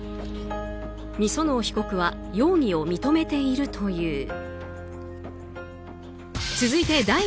御園生被告は容疑を認めているという。